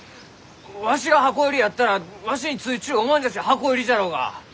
わしが箱入りやったらわしについちゅうおまんじゃち箱入りじゃろうが！